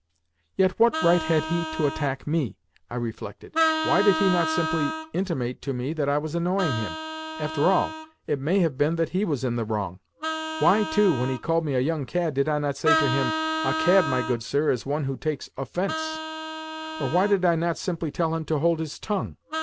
"Yet what right had he to attack me?" I reflected. "Why did he not simply intimate to me that I was annoying him? After all, it may have been he that was in the wrong. Why, too, when he called me a young cad, did I not say to him, 'A cad, my good sir, is one who takes offence'? Or why did I not simply tell him to hold his tongue?